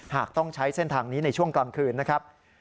หากต้องใช้เส้นทางนี้ในช่วงกลางคืนนะครับ